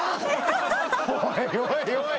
おいおいおい。